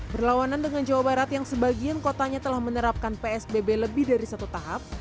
berlawanan dengan jawa barat yang sebagian kotanya telah menerapkan psbb lebih dari satu tahap